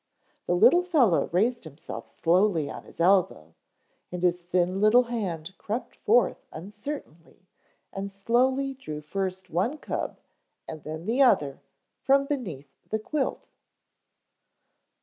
The little fellow raised himself slowly on his elbow, and his thin little hand crept forth uncertainly and slowly drew first one cub and then the other from beneath the quilt.